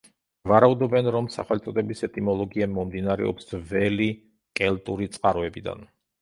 ვარაუდობენ, რომ სახელწოდების ეტიმოლოგია მომდინარეობს ძველი კელტური წყაროებიდან.